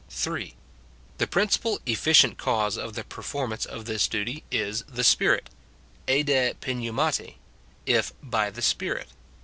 3. The principal efficient cause of the performance of this duty is the Spirit : EJ 8s Uvsvuari, —" If by the Spi rit."